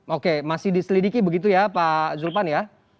oke masih diselidiki begitu ya pak zulpan ya